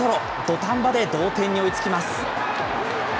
土壇場で同点に追いつきます。